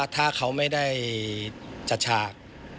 ถ้าเขาไม่ได้จัดฉาก